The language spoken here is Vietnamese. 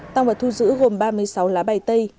tăng vật thu giữ gồm ba mươi sáu lá bày tây